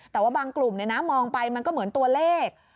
แต่ว่าบางกลุ่มมองไปมันก็เหมือนตัวเลข